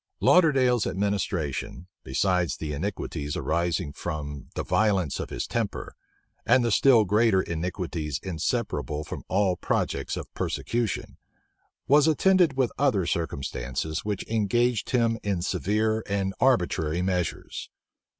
Lauderdale's administration, besides the iniquities arising from the violence of his temper, and the still greater iniquities inseparable from all projects of persecution, was attended with other circumstances which engaged him in severe and arbitrary measures.